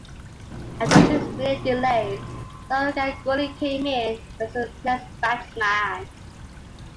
After a six-minute delay, Sourav Ganguly came in as the next batsman.